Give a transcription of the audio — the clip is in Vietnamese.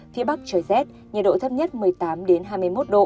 phía bắc trời rét nhiệt độ thấp nhất một mươi tám hai mươi một độ